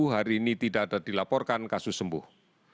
hari ini tidak ada dilaporkan kasus sembuh